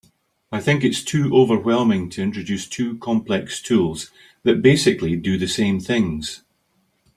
I think it’s too overwhelming to introduce two complex tools that basically do the same things.